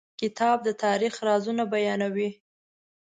کتاب د تاریخ رازونه بیانوي.